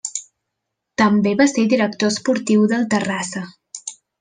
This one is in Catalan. També va ser director esportiu del Terrassa.